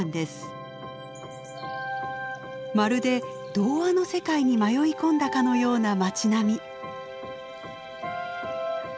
まるで童話の世界に迷い込んだかのような町並み。